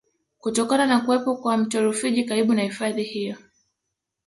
Kutokana na kuwepo kwa mto Rufiji karibu na hifadhi hiyo